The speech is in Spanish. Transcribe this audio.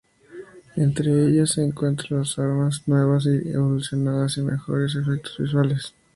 Entre ellas se encuentran las armas nuevas y evolucionadas y mejores efectos visuales.